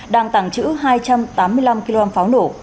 đang tàng trữ hai trăm tám mươi năm kg pháo nổ